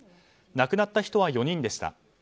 亡くなった人は４人でした。